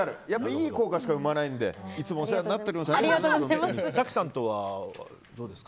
いい効果しか生まないのでいつもお世話になっております。